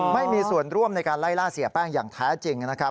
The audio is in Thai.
ไม่มีส่วนร่วมในการไล่ล่าเสียแป้งอย่างแท้จริงนะครับ